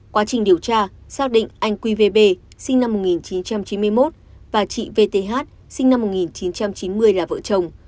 quá trình điều tra xác định anh qvb sinh năm một nghìn chín trăm chín mươi một và chị vth sinh năm một nghìn chín trăm chín mươi là vợ chồng